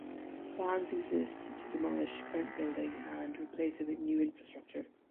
Plans exist to demolish current building and replace it with new infrastructure.